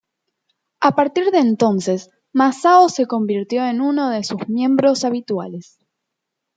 A partir de entonces, Masao se convirtió en uno de sus miembros habituales.